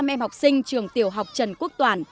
bốn trăm linh em học sinh trường tiểu học trần quốc toàn